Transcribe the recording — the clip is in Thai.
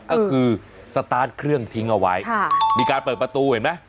ก็คือสตาร์ทเครื่องทิ้งเอาไว้มีการเปิดประตูเห็นไหม